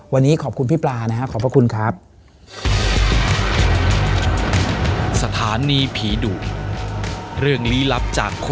วันนี้ขอบคุณพี่ปลานะครับขอบพระคุณครับ